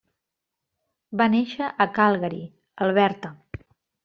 Va néixer a Calgary, Alberta.